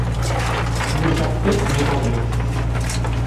Dissabte anem al metge.